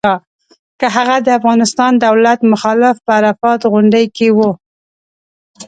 که هغه د افغانستان دولت مخالف په عرفات غونډۍ کې و.